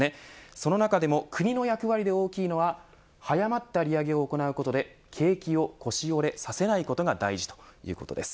その中でも国の役割で大きいのが早まった利上げを行うことで景気を腰折れさせないことが大事ということです。